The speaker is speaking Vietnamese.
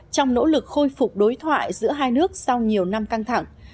trong nỗ lực khôi phục đối thoại giữa hai nước sau nhiều năm căng thẳng